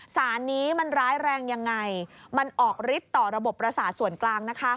สารนี้มันร้ายแรงยังไงมันออกฤทธิ์ต่อระบบประสาทส่วนกลางนะคะ